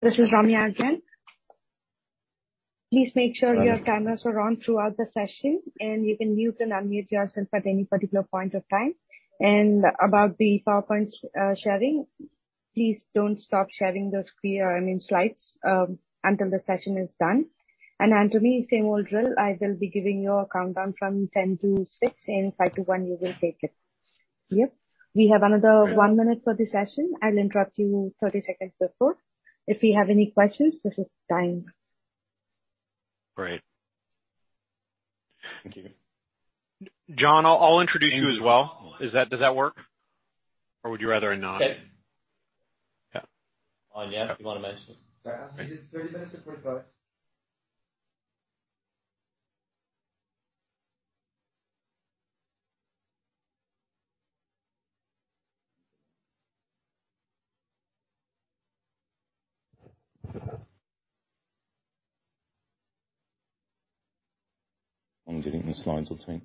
This is Ramya again. Please make sure your cameras are on throughout the session, and you can mute and unmute yourself at any particular point of time. About the PowerPoints, sharing, please don't stop sharing the screen, I mean, slides, until the session is done. Anthony, same old drill. I will be giving you a countdown from ten to six, and five to one you will take it. Yep. We have another one minute for the session. I'll interrupt you 30 seconds before. If you have any questions, this is time. Great. Thank you. John, I'll introduce you as well. Does that work? Or would you rather not? Yes. Yeah. Oh, yeah. If you wanna mention. Sorry, Anthony. 30 seconds to go. I'm getting the slides online.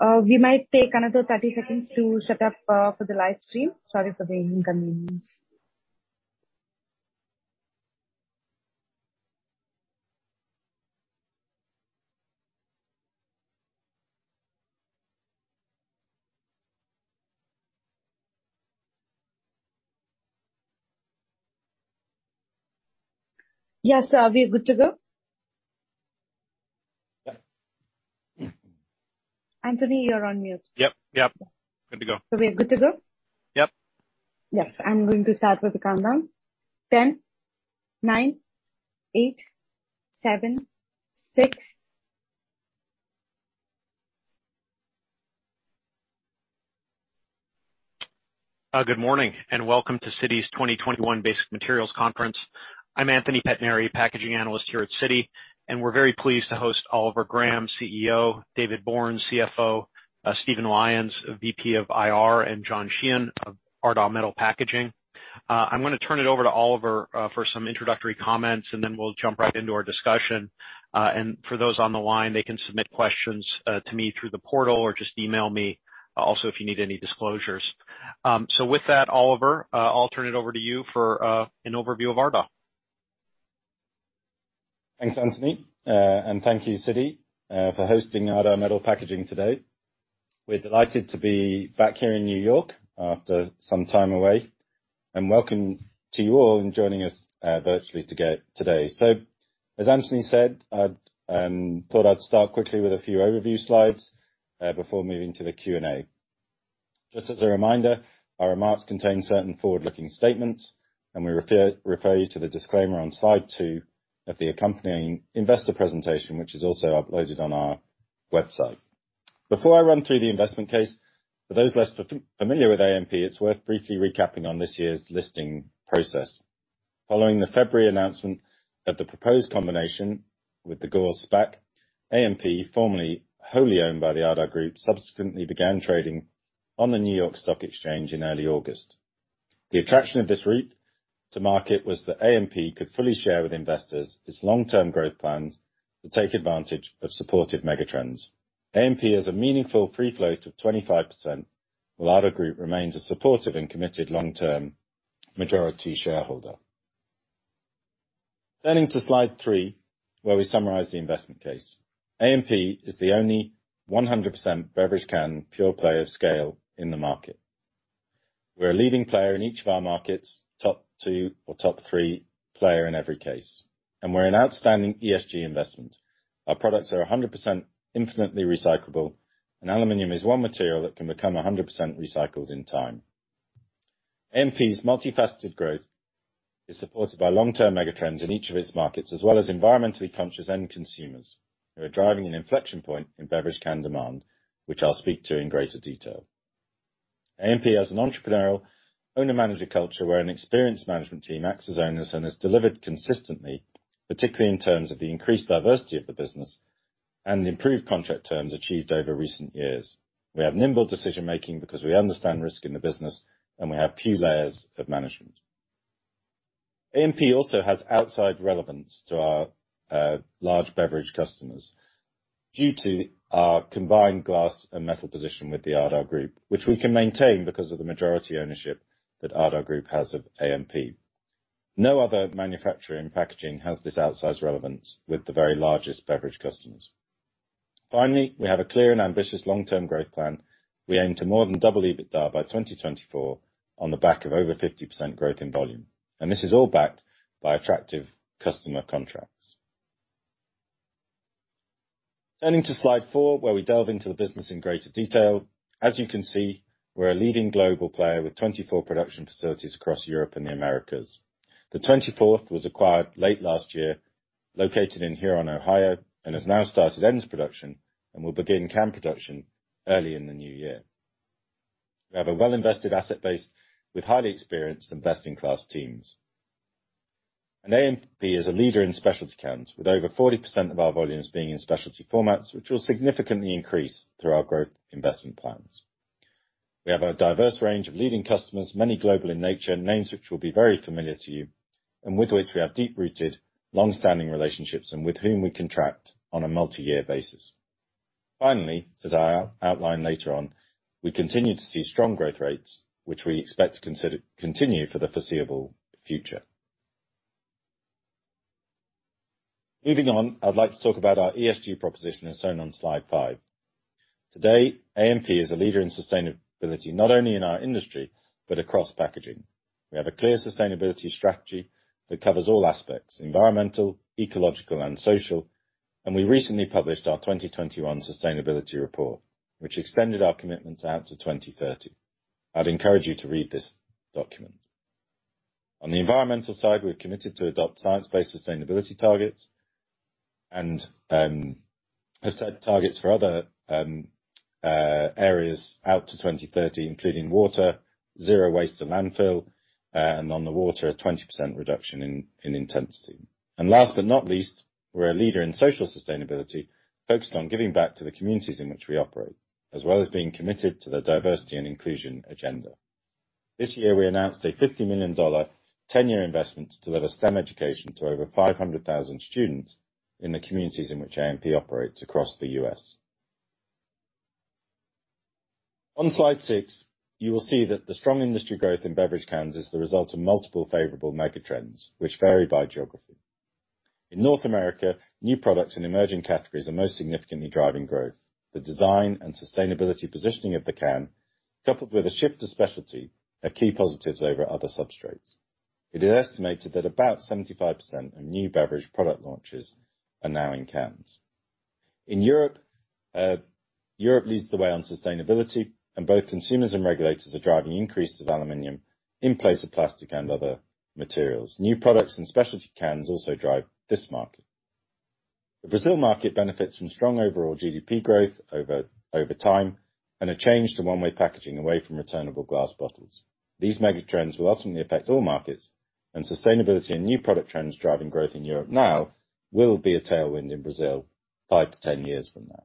We might take another 30 seconds to set up for the live stream. Sorry for the inconvenience. Yes, are we good to go? Yeah. Anthony, you're on mute. Yep, yep. Good to go. We're good to go? Yep. Yes. I'm going to start with the countdown. 10, 9, 8, 7, 6. Good morning, and welcome to Citi's 2021 Basic Materials Conference. I'm Anthony Pettinari, packaging analyst here at Citi, and we're very pleased to host Oliver Graham, CEO, David Bourne, CFO, Stephen Lyons, VP of IR, and John Sheehan of Ardagh Metal Packaging. I'm gonna turn it over to Oliver for some introductory comments, and then we'll jump right into our discussion. For those on the line, they can submit questions to me through the portal or just email me. Also, if you need any disclosures. With that, Oliver, I'll turn it over to you for an overview of Ardagh. Thanks Anthony. And thank you Citi for hosting Ardagh Metal Packaging today. We're delighted to be back here in New York after some time away. Welcome to you all in joining us virtually today. As Anthony said, I'd thought I'd start quickly with a few overview slides before moving to the Q&A. Just as a reminder, our remarks contain certain forward-looking statements, and we refer you to the disclaimer on slide two of the accompanying investor presentation, which is also uploaded on our website. Before I run through the investment case, for those less familiar with AMP, it's worth briefly recapping on this year's listing process. Following the February announcement of the proposed combination with the Gores SPAC, AMP, formerly wholly owned by the Ardagh Group, subsequently began trading on the New York Stock Exchange in early August. The attraction of this route to market was that AMP could fully share with investors its long-term growth plans to take advantage of supported megatrends. AMP has a meaningful free float of 25%, while Ardagh Group remains a supportive and committed long-term majority shareholder. Turning to slide three, where we summarize the investment case. AMP is the only 100% beverage can pure-play of scale in the market. We're a leading player in each of our markets, top two or top three player in every case, and we're an outstanding ESG investment. Our products are 100% infinitely recyclable, and aluminum is one material that can become 100% recycled in time. AMP's multifaceted growth is supported by long-term megatrends in each of its markets, as well as environmentally conscious end consumers who are driving an inflection point in beverage can demand, which I'll speak to in greater detail. AMP has an entrepreneurial owner-manager culture where an experienced management team acts as owners and has delivered consistently, particularly in terms of the increased diversity of the business and the improved contract terms achieved over recent years. We have nimble decision-making because we understand risk in the business, and we have few layers of management. AMP also has outside relevance to our large beverage customers due to our combined glass and metal position with the Ardagh Group, which we can maintain because of the majority ownership that Ardagh Group has of AMP. No other manufacturer in packaging has this outsize relevance with the very largest beverage customers. Finally, we have a clear and ambitious long-term growth plan. We aim to more than double EBITDA by 2024 on the back of over 50% growth in volume. This is all backed by attractive customer contracts. Turning to slide four, where we delve into the business in greater detail. As you can see, we're a leading global player with 24 production facilities across Europe and the Americas. The 24th was acquired late last year, located in Huron, Ohio, and has now started ends production and will begin can production early in the new year. We have a well-invested asset base with highly experienced and best-in-class teams. AMP is a leader in specialty cans with over 40% of our volumes being in specialty formats, which will significantly increase through our growth investment plans. We have a diverse range of leading customers, many global in nature, names which will be very familiar to you, and with which we have deep-rooted, long-standing relationships and with whom we contract on a multi-year basis. Finally, as I'll outline later on, we continue to see strong growth rates, which we expect to continue for the foreseeable future. Moving on, I would like to talk about our ESG proposition, as shown on Slide five. Today, AMP is a leader in sustainability, not only in our industry, but across packaging. We have a clear sustainability strategy that covers all aspects, environmental, ecological, and social, and we recently published our 2021 sustainability report, which extended our commitments out to 2030. I'd encourage you to read this document. On the environmental side, we're committed to adopt science-based sustainability targets and set targets for other areas out to 2030, including water, zero waste to landfill, and on the water, a 20% reduction in intensity. Last but not least, we're a leader in social sustainability, focused on giving back to the communities in which we operate, as well as being committed to the diversity and inclusion agenda. This year, we announced a $50 million ten-year investment to deliver STEM education to over 500,000 students in the communities in which AMP operates across the US On Slide six, you will see that the strong industry growth in beverage cans is the result of multiple favorable megatrends which vary by geography. In North America, new products in emerging categories are most significantly driving growth. The design and sustainability positioning of the can, coupled with a shift to specialty, are key positives over other substrates. It is estimated that about 75% of new beverage product launches are now in cans. In Europe leads the way on sustainability, and both consumers and regulators are driving increases of aluminum in place of plastic and other materials. New products and specialty cans also drive this market. The Brazil market benefits from strong overall GDP growth over time, and a change to one-way packaging away from returnable glass bottles. These mega trends will ultimately affect all markets, and sustainability and new product trends driving growth in Europe now will be a tailwind in Brazil 5-10 years from now.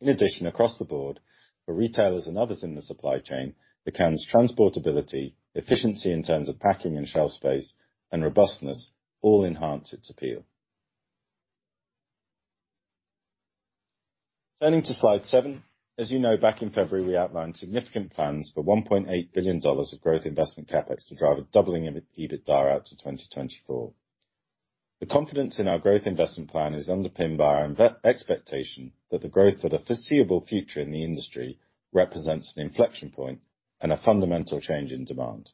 In addition, across the board, for retailers and others in the supply chain, the can's transportability, efficiency in terms of packing and shelf space, and robustness all enhance its appeal. Turning to Slide seven. As you know, back in February, we outlined significant plans for $1.8 billion of growth investment CapEx to drive a doubling of EBITDA out to 2024. The confidence in our growth investment plan is underpinned by our expectation that the growth for the foreseeable future in the industry represents an inflection point and a fundamental change in demand.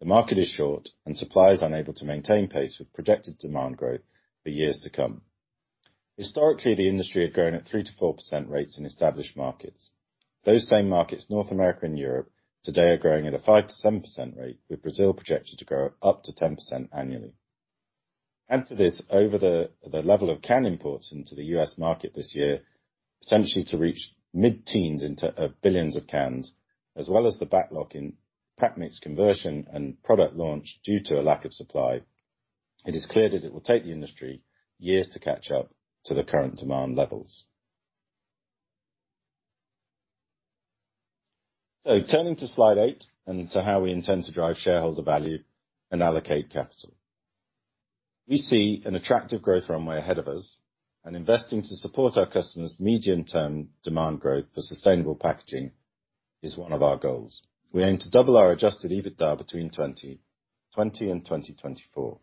The market is short and supply is unable to maintain pace with projected demand growth for years to come. Historically, the industry had grown at 3%-4% rates in established markets. Those same markets, North America and Europe, today are growing at a 5%-7% rate, with Brazil projected to grow up to 10% annually. Add to this, over the level of can imports into the US market this year, potentially to reach mid-teens into billions of cans, as well as the backlog in pack mix conversion and product launch due to a lack of supply, it is clear that it will take the industry years to catch up to the current demand levels. Turning to Slide eight and to how we intend to drive shareholder value and allocate capital. We see an attractive growth runway ahead of us and investing to support our customers' medium-term demand growth for sustainable packaging is one of our goals. We aim to double our adjusted EBITDA between 2020 and 2024.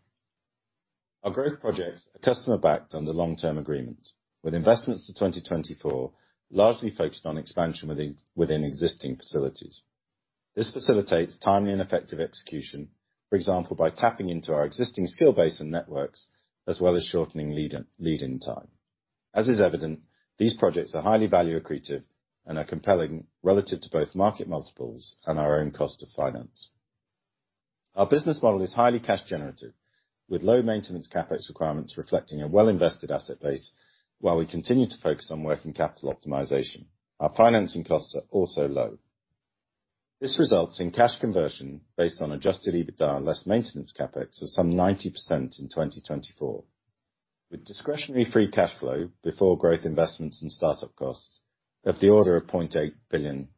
Our growth projects are customer backed under long-term agreements, with investments to 2024 largely focused on expansion within existing facilities. This facilitates timely and effective execution, for example, by tapping into our existing skill base and networks, as well as shortening lead time. As is evident, these projects are highly value accretive and are compelling relative to both market multiples and our own cost of finance. Our business model is highly cash generative, with low maintenance CapEx requirements reflecting a well-invested asset base, while we continue to focus on working capital optimization. Our financing costs are also low. This results in cash conversion based on adjusted EBITDA and less maintenance CapEx of some 90% in 2024, with discretionary free cash flow before growth investments and start-up costs of the order of $0.8 billion.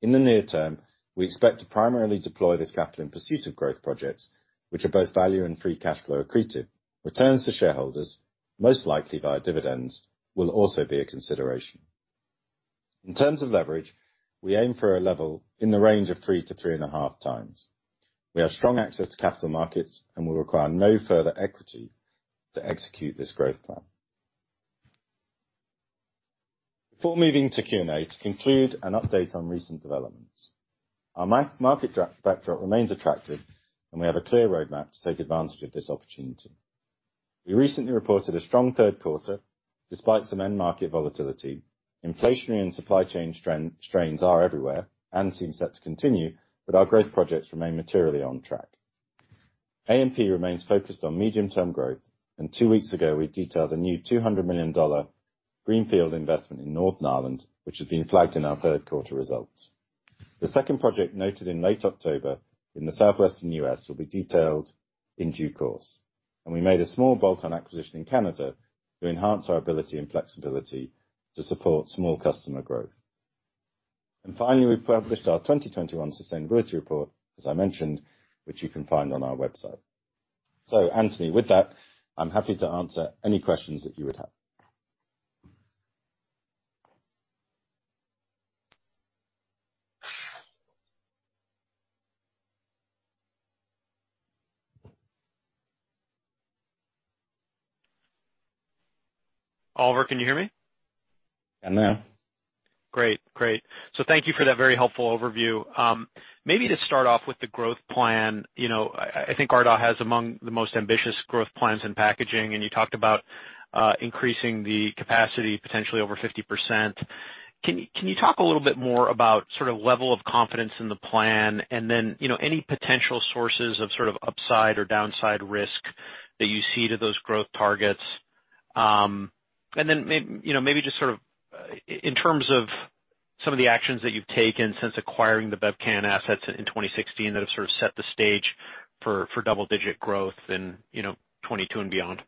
In the near term, we expect to primarily deploy this capital in pursuit of growth projects which are both value and free cash flow accretive. Returns to shareholders, most likely via dividends, will also be a consideration. In terms of leverage, we aim for a level in the range of 3-3.5x. We have strong access to capital markets and will require no further equity to execute this growth plan. Before moving to Q&A, to conclude an update on recent developments. Our market backdrop remains attractive and we have a clear roadmap to take advantage of this opportunity. We recently reported a strong third quarter despite some end market volatility. Inflation and supply chain strains are everywhere and seem set to continue, but our growth projects remain materially on track. AMP remains focused on medium-term growth, and two weeks ago we detailed a new $200 million greenfield investment in Northern Ireland, which has been flagged in our third quarter results. The second project noted in late October in the Southwestern US will be detailed in due course, and we made a small bolt-on acquisition in Canada to enhance our ability and flexibility to support small customer growth. Finally, we published our 2021 sustainability report, as I mentioned, which you can find on our website. Anthony, with that, I'm happy to answer any questions that you would have. Oliver, can you hear me? I can now. Great. Thank you for that very helpful overview. Maybe to start off with the growth plan. You know, I think Ardagh has among the most ambitious growth plans in packaging, and you talked about increasing the capacity potentially over 50%. Can you talk a little bit more about sort of level of confidence in the plan and then, you know, any potential sources of sort of upside or downside risk that you see to those growth targets? And then you know, maybe just sort of in terms of some of the actions that you've taken since acquiring the Bevcan assets in 2016 that have sort of set the stage for double-digit growth in, you know, 2022 and beyond.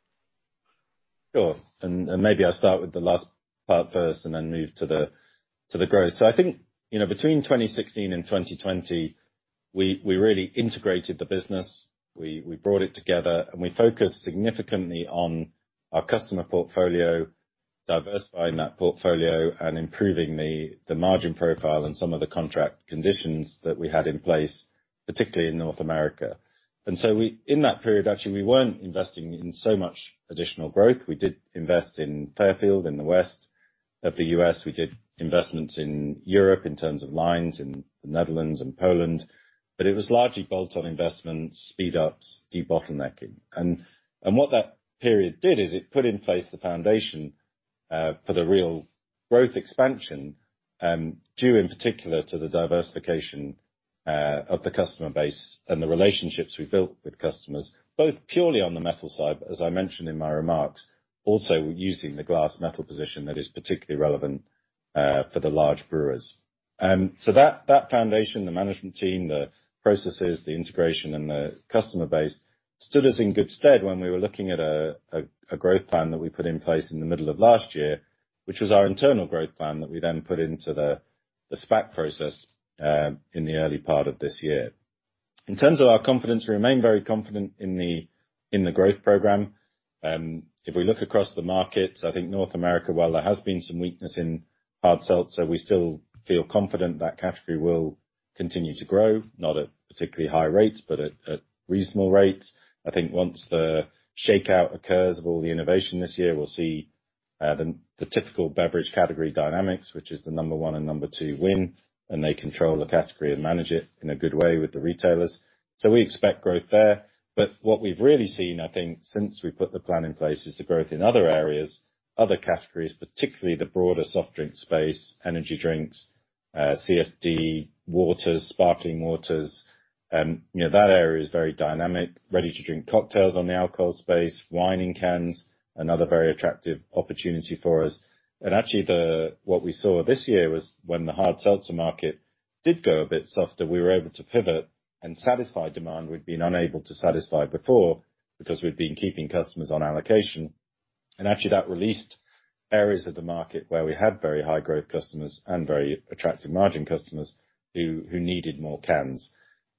Sure. Maybe I'll start with the last part first and then move to the growth. I think, you know, between 2016 and 2020, we really integrated the business. We brought it together, and we focused significantly on our customer portfolio, diversifying that portfolio and improving the margin profile and some of the contract conditions that we had in place, particularly in North America. In that period, actually, we weren't investing in so much additional growth. We did invest in Fairfield, in the West of the US We did investments in Europe in terms of lines in the Netherlands and Poland. It was largely bolt-on investments, speed ups, debottlenecking. What that period did is it put in place the foundation for the real growth expansion due in particular to the diversification of the customer base and the relationships we built with customers both purely on the metal side but as I mentioned in my remarks also using the glass metal position that is particularly relevant for the large brewers. That foundation the management team the processes the integration and the customer base stood us in good stead when we were looking at a growth plan that we put in place in the middle of last year which was our internal growth plan that we then put into the SPAC process in the early part of this year. In terms of our confidence we remain very confident in the growth program. If we look across the market, I think North America, while there has been some weakness in hard seltzer, we still feel confident that category will continue to grow, not at particularly high rates, but at reasonable rates. I think once the shakeout occurs of all the innovation this year, we'll see the typical beverage category dynamics, which is the number one and number two win, and they control the category and manage it in a good way with the retailers. We expect growth there. What we've really seen, I think, since we put the plan in place, is the growth in other areas, other categories, particularly the broader soft drink space, energy drinks, CSD, waters, sparkling waters. You know, that area is very dynamic, ready to drink cocktails on the alcohol space, wine in cans, another very attractive opportunity for us. Actually, what we saw this year was when the hard seltzer market did go a bit softer, we were able to pivot and satisfy demand we'd been unable to satisfy before because we'd been keeping customers on allocation. Actually that released areas of the market where we had very high growth customers and very attractive margin customers who needed more cans.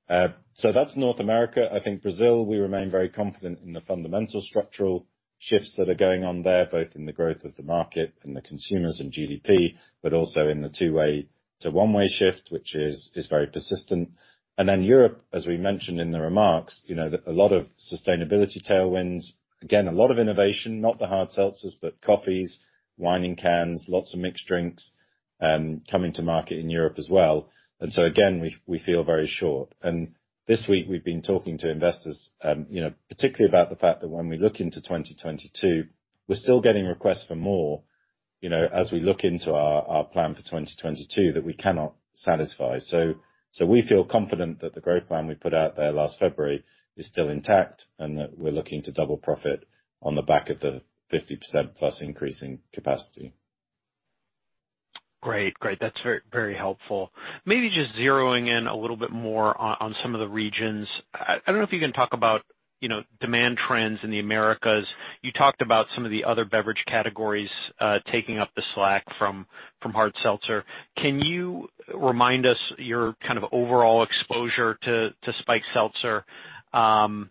That's North America. I think Brazil, we remain very confident in the fundamental structural shifts that are going on there, both in the growth of the market and the consumers and GDP, but also in the two-way to one-way shift, which is very persistent. Europe, as we mentioned in the remarks, you know, a lot of sustainability tailwinds. Again, a lot of innovation, not the hard seltzers, but coffees, wine in cans, lots of mixed drinks coming to market in Europe as well. Again, we feel very short. This week we've been talking to investors, you know, particularly about the fact that when we look into 2022, we're still getting requests for more, you know, as we look into our plan for 2022 that we cannot satisfy. So we feel confident that the growth plan we put out there last February is still intact and that we're looking to double profit on the back of the 50%+ increase in capacity. Great. That's very helpful. Maybe just zeroing in a little bit more on some of the regions. I don't know if you can talk about, you know, demand trends in the Americas. You talked about some of the other beverage categories taking up the slack from hard seltzer. Can you remind us your kind of overall exposure to hard seltzer? Again,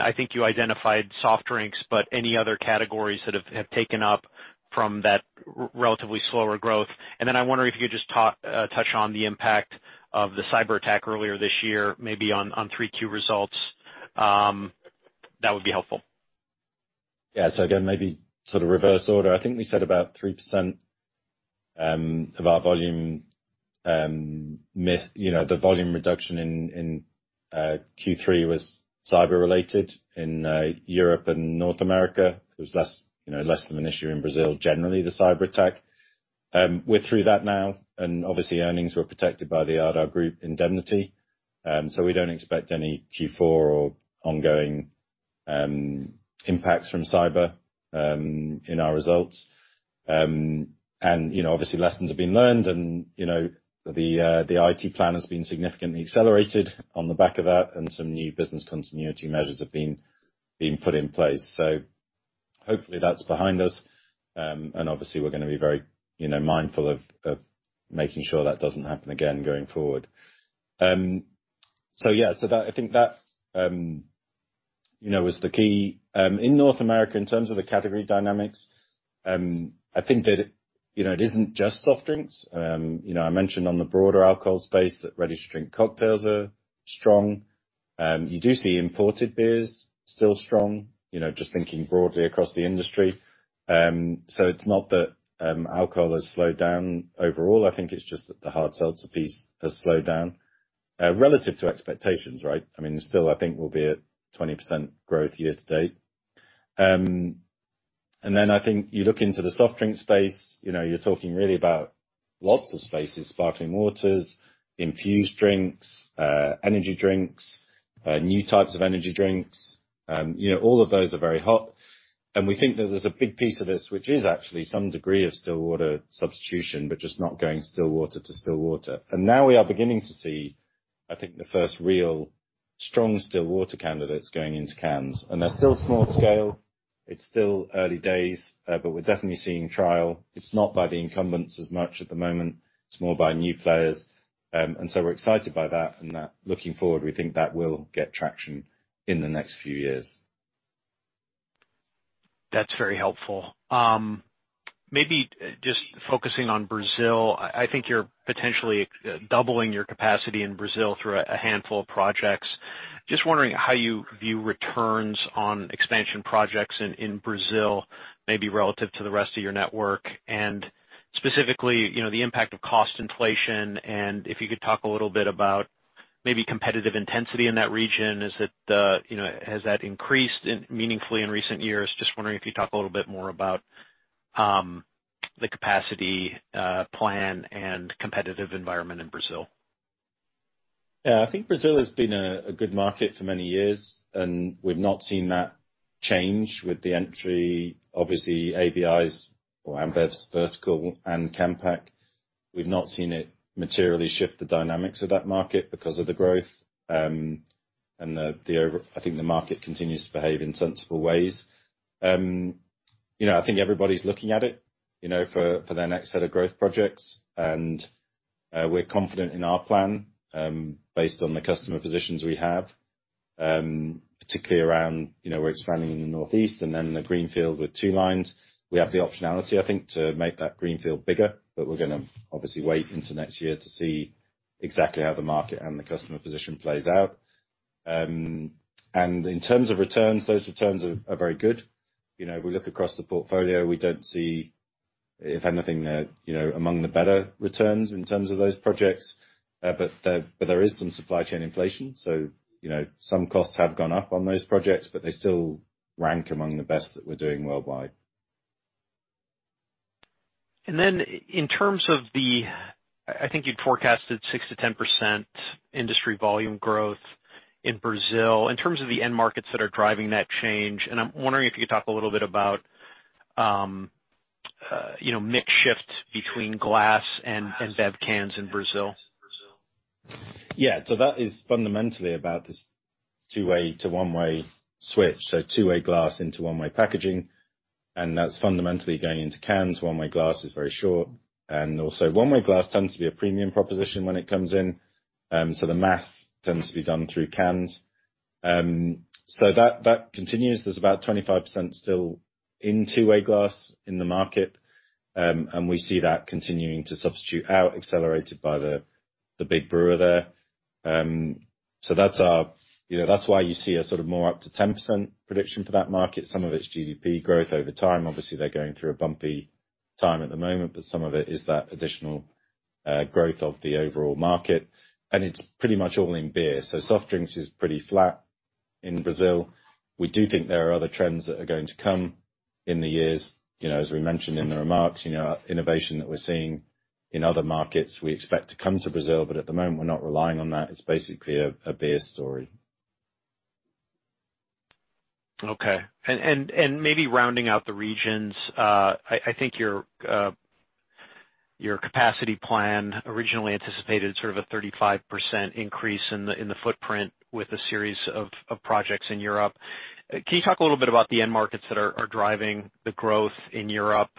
I think you identified soft drinks, but any other categories that have taken up from that relatively slower growth? I wonder if you could just touch on the impact of the cyberattack earlier this year, maybe on Q3 results. That would be helpful. Yeah. Again, maybe sort of reverse order. I think we said about 3% of our volume, you know, the volume reduction in Q3 was cyber related in Europe and North America. It was less, you know, of an issue in Brazil, generally, the cyberattack. We're through that now, and obviously earnings were protected by the Ardagh Group indemnity, so we don't expect any Q4 or ongoing impacts from cyber in our results. Obviously lessons have been learned and, you know, the IT plan has been significantly accelerated on the back of that, and some new business continuity measures have been put in place. Hopefully that's behind us. Obviously we're gonna be very, you know, mindful of making sure that doesn't happen again going forward. I think that, you know, is the key. In North America in terms of the category dynamics, I think that, you know, it isn't just soft drinks. You know, I mentioned in the broader alcohol space that ready-to-drink cocktails are strong. You do see imported beers still strong, you know, just thinking broadly across the industry. It's not that alcohol has slowed down overall. I think it's just that the hard seltzers piece has slowed down relative to expectations, right? I mean, still, I think we'll be at 20% growth year to date. Then I think you look into the soft drink space, you know, you're talking really about lots of spaces, sparkling waters, infused drinks, energy drinks, new types of energy drinks. You know, all of those are very hot. We think that there's a big piece of this which is actually some degree of still water substitution, but just not going still water to still water. Now we are beginning to see, I think, the first real strong still water candidates going into cans. They're still small scale, it's still early days, but we're definitely seeing trial. It's not by the incumbents as much at the moment, it's more by new players. We're excited by that, and that looking forward, we think that will get traction in the next few years. That's very helpful. Maybe just focusing on Brazil. I think you're potentially doubling your capacity in Brazil through a handful of projects. Just wondering how you view returns on expansion projects in Brazil, maybe relative to the rest of your network. Specifically, you know, the impact of cost inflation, and if you could talk a little bit about maybe competitive intensity in that region. Is it, you know, has that increased meaningfully in recent years? Just wondering if you could talk a little bit more about the capacity plan and competitive environment in Brazil. Yeah. I think Brazil has been a good market for many years, and we've not seen that change with the entry, obviously, ABI's or Ambev's Vertical and CANPACK. We've not seen it materially shift the dynamics of that market because of the growth, I think the market continues to behave in sensible ways. You know, I think everybody's looking at it, you know, for their next set of growth projects. We're confident in our plan, based on the customer positions we have, particularly around, you know, where it's expanding in the Northeast and then the greenfield with two lines. We have the optionality, I think, to make that greenfield bigger, but we're gonna obviously wait into next year to see exactly how the market and the customer position plays out. In terms of returns, those returns are very good. You know, if we look across the portfolio, we don't see, if anything, they're you know, among the better returns in terms of those projects. But there is some supply chain inflation, so you know, some costs have gone up on those projects, but they still rank among the best that we're doing worldwide. I think you'd forecasted 6%-10% industry volume growth in Brazil. In terms of the end markets that are driving that change, and I'm wondering if you could talk a little bit about mix shift between glass and bev cans in Brazil. Yeah. That is fundamentally about this two-way to one-way switch, two-way glass into one-way packaging, and that's fundamentally going into cans. One-way glass is very short, and also one-way glass tends to be a premium proposition when it comes in, so the mass tends to be done through cans. That continues. There's about 25% still in two-way glass in the market, and we see that continuing to substitute out, accelerated by the big brewer there. That's our, you know, that's why you see a sort of more up to 10% prediction for that market. Some of it's GDP growth over time. Obviously, they're going through a bumpy time at the moment, but some of it is that additional growth of the overall market. It's pretty much all in beer, so soft drinks is pretty flat in Brazil. We do think there are other trends that are going to come in the years. You know, as we mentioned in the remarks, you know, innovation that we're seeing in other markets we expect to come to Brazil, but at the moment we're not relying on that. It's basically a beer story. Okay. Maybe rounding out the regions. I think your capacity plan originally anticipated sort of a 35% increase in the footprint with a series of projects in Europe. Can you talk a little bit about the end markets that are driving the growth in Europe?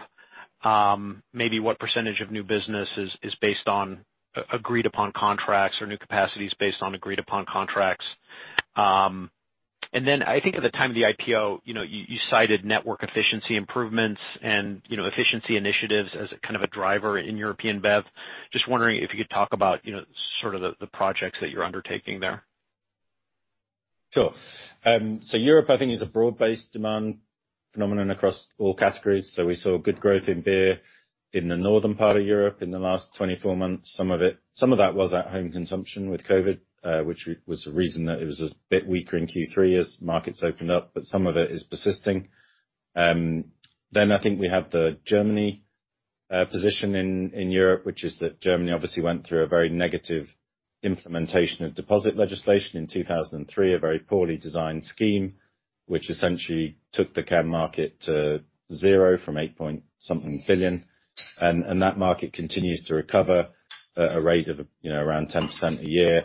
Maybe what percentage of new business is based on agreed upon contracts or new capacities based on agreed upon contracts? I think at the time of the IPO, you know, you cited network efficiency improvements and, you know, efficiency initiatives as a kind of a driver in European bev. Just wondering if you could talk about, you know, sort of the projects that you are undertaking there. Sure. Europe, I think, is a broad-based demand phenomenon across all categories. We saw good growth in beer in the northern part of Europe in the last 24 months. Some of that was at home consumption with COVID, which was the reason that it was a bit weaker in Q3 as markets opened up, but some of it is persisting. I think we have the Germany position in Europe, which is that Germany obviously went through a very negative implementation of deposit legislation in 2003, a very poorly designed scheme, which essentially took the can market to zero from 8 point something billion. That market continues to recover at a rate of, you know, around 10% a year.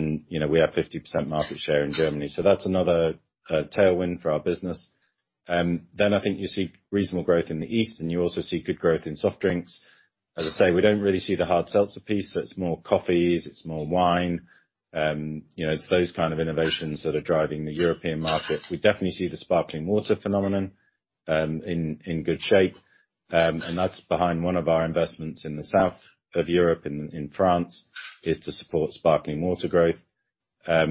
You know, we have 50% market share in Germany. That's another tailwind for our business. I think you see reasonable growth in the East, and you also see good growth in soft drinks. As I say, we don't really see the hard seltzer piece. It's more coffees, it's more wine. You know, it's those kind of innovations that are driving the European market. We definitely see the sparkling water phenomenon in good shape. That's behind one of our investments in the south of Europe in France is to support sparkling water growth. Yeah.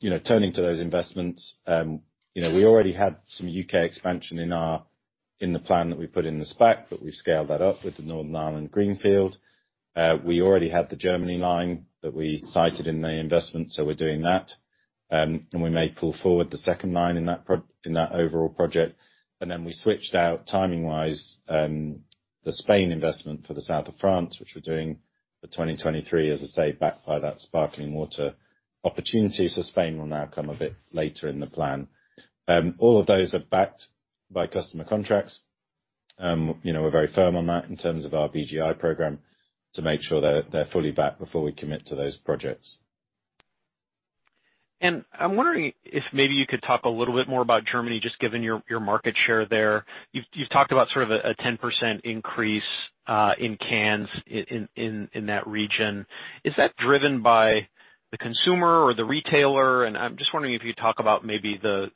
You know, turning to those investments, you know, we already had some UK expansion in the plan that we put in the SPAC, but we've scaled that up with the Northern Ireland greenfield. We already had the Germany line that we cited in the investment, so we're doing that. We may pull forward the second line in that overall project. We switched out, timing-wise, the Spain investment for the south of France, which we're doing for 2023, as I say, backed by that sparkling water opportunity. Spain will now come a bit later in the plan. All of those are backed by customer contracts. You know, we're very firm on that in terms of our BGI program to make sure that they're fully backed before we commit to those projects. I'm wondering if maybe you could talk a little bit more about Germany, just given your market share there. You've talked about sort of a 10% increase in cans in that region. Is that driven by the consumer or the retailer? I'm just wondering if you could talk about the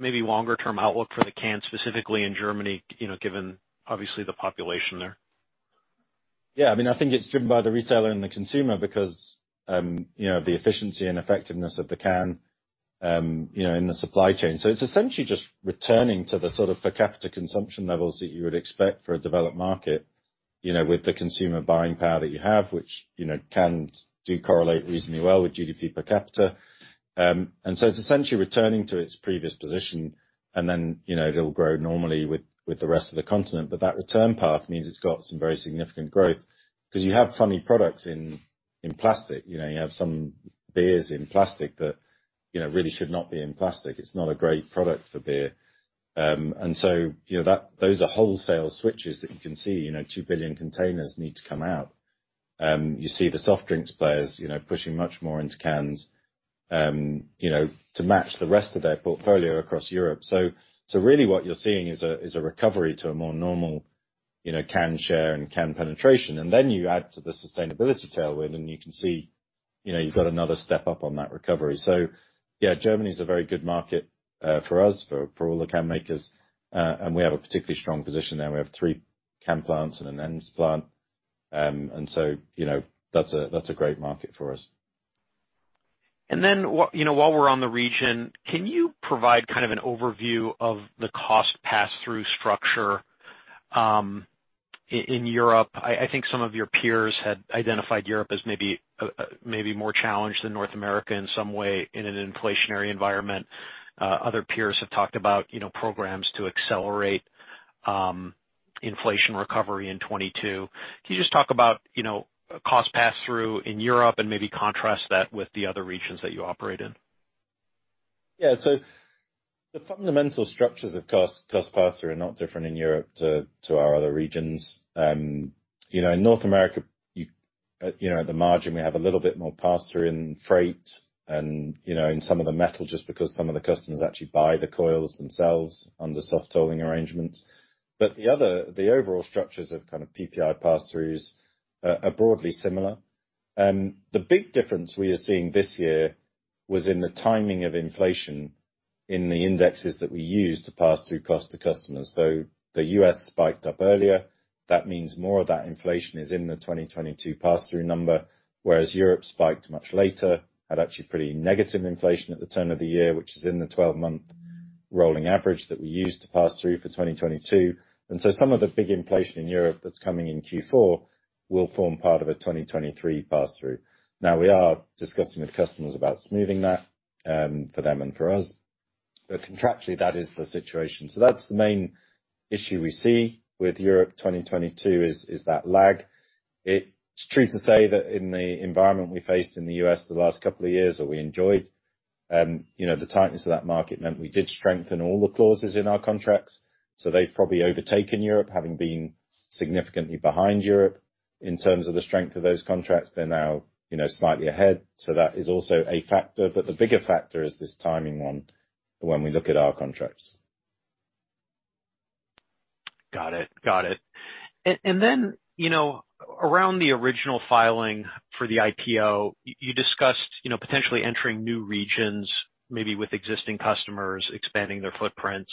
longer term outlook for the cans, specifically in Germany, you know, given obviously the population there. Yeah. I mean, I think it's driven by the retailer and the consumer because, you know, the efficiency and effectiveness of the can, you know, in the supply chain. It's essentially just returning to the sort of per capita consumption levels that you would expect for a developed market, you know, with the consumer buying power that you have, which, you know, cans do correlate reasonably well with GDP per capita. It's essentially returning to its previous position and then, you know, it'll grow normally with the rest of the continent. That return path means it's got some very significant growth, 'cause you have so many products in plastic. You know, you have some beers in plastic that, you know, really should not be in plastic. It's not a great product for beer. You know, those are wholesale switches that you can see. You know, 2 billion containers need to come out. You see the soft drinks players, you know, pushing much more into cans, you know, to match the rest of their portfolio across Europe. Really what you're seeing is a recovery to a more normal, you know, can share and can penetration. Then you add to the sustainability tailwind, and you can see, you know, you've got another step up on that recovery. Yeah, Germany is a very good market for us, for all the can makers. We have a particularly strong position there. We have three can plants and an ends plant. You know, that's a great market for us. You know, while we're on the region, can you provide kind of an overview of the cost pass through structure in Europe? I think some of your peers had identified Europe as maybe more challenged than North America in some way in an inflationary environment. Other peers have talked about, you know, programs to accelerate inflation recovery in 2022. Can you just talk about, you know, cost pass through in Europe and maybe contrast that with the other regions that you operate in? The fundamental structures of cost pass through are not different in Europe to our other regions. You know, in North America, you know, at the margin, we have a little bit more pass through in freight and, you know, in some of the metal, just because some of the customers actually buy the coils themselves under soft tolling arrangements. The overall structures of kind of PPI pass throughs are broadly similar. The big difference we are seeing this year was in the timing of inflation in the indexes that we use to pass through cost to customers. The US spiked up earlier. That means more of that inflation is in the 2022 pass through number, whereas Europe spiked much later, had actually pretty negative inflation at the turn of the year, which is in the 12-month rolling average that we use to pass through for 2022. Some of the big inflation in Europe that's coming in Q4 will form part of a 2023 pass through. Now, we are discussing with customers about smoothing that, for them and for us. Contractually, that is the situation. That's the main issue we see with Europe 2022, is that lag. It's true to say that in the environment we faced in the US the last couple of years that we enjoyed, you know, the tightness of that market meant we did strengthen all the clauses in our contracts. They've probably overtaken Europe, having been significantly behind Europe in terms of the strength of those contracts. They're now, you know, slightly ahead. That is also a factor. The bigger factor is this timing one when we look at our contracts. Got it. Then, you know, around the original filing for the IPO, you discussed, you know, potentially entering new regions, maybe with existing customers expanding their footprints.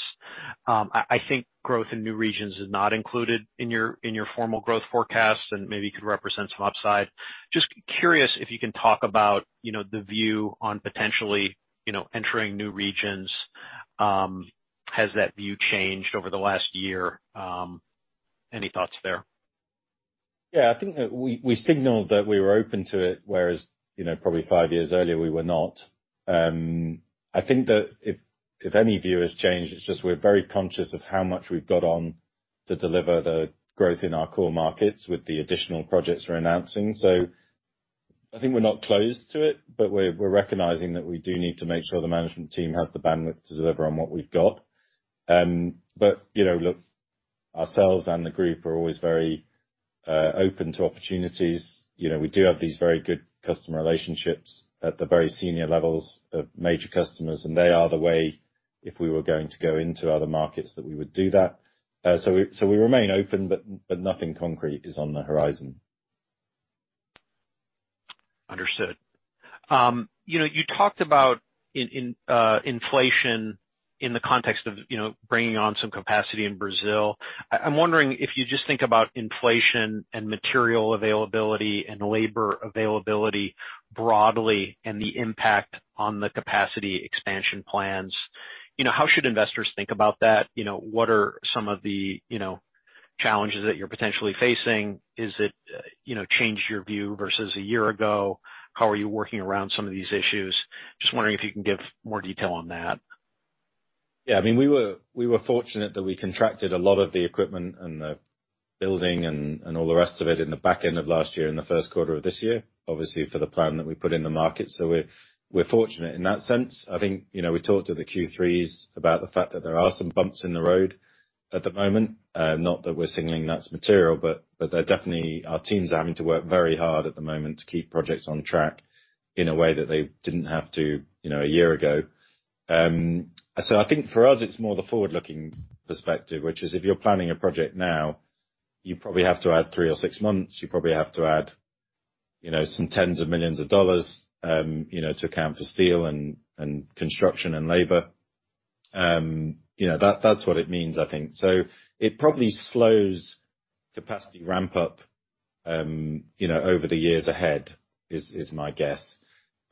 I think growth in new regions is not included in your formal growth forecast and maybe could represent some upside. Just curious if you can talk about, you know, the view on potentially, you know, entering new regions. Has that view changed over the last year? Any thoughts there? I think that we signaled that we were open to it, whereas, you know, probably five years earlier, we were not. I think that if any view has changed, it's just we're very conscious of how much we've got on to deliver the growth in our core markets with the additional projects we're announcing. I think we're not closed to it, but we're recognizing that we do need to make sure the management team has the bandwidth to deliver on what we've got. You know, look, ourselves and the group are always very open to opportunities. You know, we do have these very good customer relationships at the very senior levels of major customers, and they are the way, if we were going to go into other markets, that we would do that. We remain open, but nothing concrete is on the horizon. Understood. You know, you talked about in inflation in the context of, you know, bringing on some capacity in Brazil. I'm wondering if you just think about inflation and material availability and labor availability broadly and the impact on the capacity expansion plans, you know, how should investors think about that? You know, what are some of the, you know, challenges that you're potentially facing? Is it, you know, changed your view versus a year ago? How are you working around some of these issues? Just wondering if you can give more detail on that. Yeah. I mean, we were fortunate that we contracted a lot of the equipment and the building and all the rest of it in the back end of last year and the first quarter of this year, obviously for the plan that we put in the market. We're fortunate in that sense. I think, you know, we talked to the Q3s about the fact that there are some bumps in the road at the moment, not that we're signaling that's material, but there are definitely our teams are having to work very hard at the moment to keep projects on track in a way that they didn't have to, you know, a year ago. I think for us, it's more the forward-looking perspective, which is if you're planning a project now, you probably have to add three or six months. You probably have to add, you know, some tens of millions of dollars, you know, to account for steel and construction and labor. You know, that's what it means, I think. It probably slows capacity ramp up, you know, over the years ahead is my guess,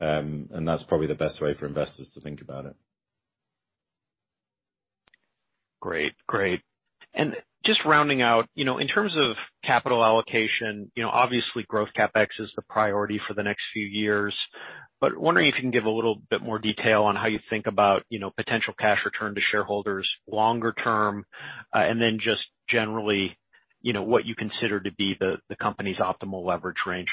and that's probably the best way for investors to think about it. Great. Just rounding out, you know, in terms of capital allocation, you know, obviously growth CapEx is the priority for the next few years. Wondering if you can give a little bit more detail on how you think about, you know, potential cash return to shareholders longer term, and then just generally, you know, what you consider to be the company's optimal leverage range.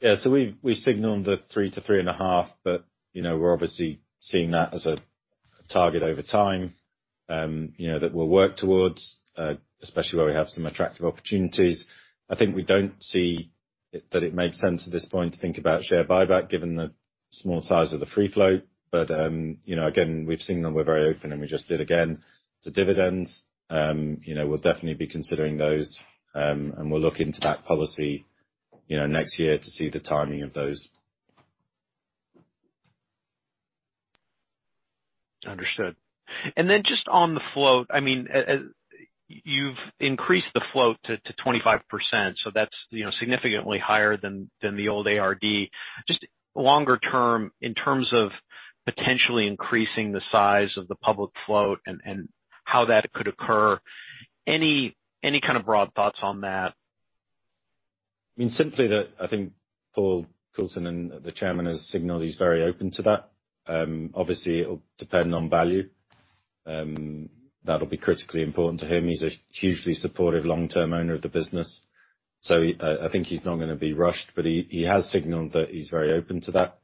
Yeah. We've signaled the 3%-3.5%, but you know, we're obviously seeing that as a target over time, you know, that we'll work towards, especially where we have some attractive opportunities. I think we don't see it that it makes sense at this point to think about share buyback given the small size of the free float. You know, again, we've signaled we're very open, and we just did again, to dividends. You know, we'll definitely be considering those, and we'll look into that policy next year to see the timing of those. Understood. Just on the float, I mean, you've increased the float to 25%, so that's, you know, significantly higher than the old ARD. Just longer term, in terms of potentially increasing the size of the public float and how that could occur, any kind of broad thoughts on that? I mean, simply that I think Paul Coulson and the chairman has signaled he's very open to that. Obviously, it'll depend on value. That'll be critically important to him. He's a hugely supportive long-term owner of the business. I think he's not gonna be rushed, but he has signaled that he's very open to that.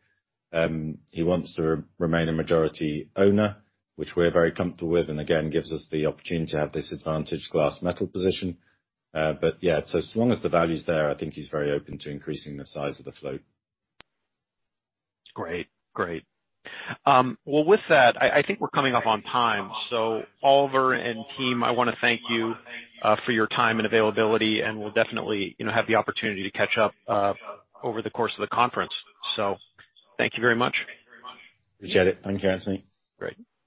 He wants to remain a majority owner, which we're very comfortable with and again, gives us the opportunity to have this advantage glass metal position. But yeah. As long as the value's there, I think he's very open to increasing the size of the float. Great. Well, with that, I think we're coming up on time. Oliver and team, I wanna thank you for your time and availability, and we'll definitely, you know, have the opportunity to catch up over the course of the conference. Thank you very much. appreciate it. Thanks, Anthony. Great.